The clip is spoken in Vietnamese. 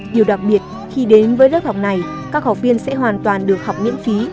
điều đặc biệt khi đến với lớp học này các học viên sẽ hoàn toàn được học miễn phí